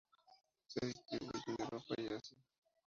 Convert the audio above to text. Se distribuye en Europa y Asia.